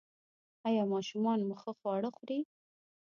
ایا ماشومان مو ښه خواړه خوري؟